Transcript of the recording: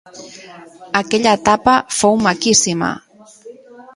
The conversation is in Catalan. Aquella etapa fou maquíssima.